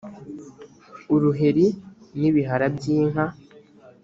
uruheri n ibihara by inka